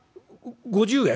５０円？」。